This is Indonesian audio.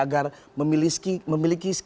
agar memiliki skill dan juga memiliki kemampuan